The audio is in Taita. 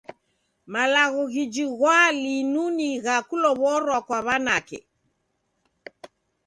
Malagho ghijighwaa linu ni gha kulow'orwa kwa w'anake.